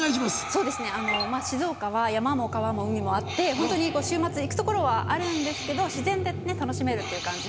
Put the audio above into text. そうですね静岡は山も川も海もあってホントに週末行く所はあるんですけど自然でね楽しめるっていう感じで。